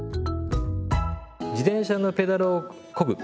自転車のペダルをこぐ。